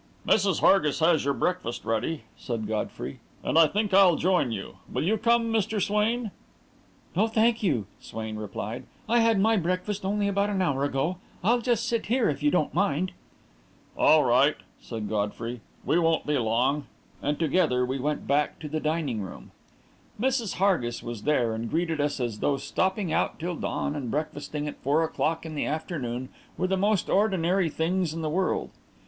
"Mrs. Hargis has your breakfast ready," said Godfrey, "and I think I'll join you. Will you come, Mr. Swain?" "No, thank you," Swain replied. "I had my breakfast only about an hour ago. I'll just sit here, if you don't mind." "All right," said Godfrey, "we won't be long," and together we went back to the dining room. Mrs. Hargis was there, and greeted us as though stopping out till dawn and breakfasting at four o'clock in the afternoon were the most ordinary things in the world.